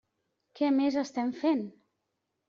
Què més estem fent?